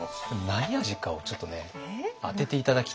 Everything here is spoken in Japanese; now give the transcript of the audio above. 何味かをちょっとね当てて頂きたいんですよ。